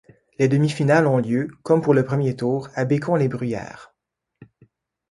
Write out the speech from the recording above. Les demi-finales ont lieu, comme pour le premier tour, à Bécon les Bruyères.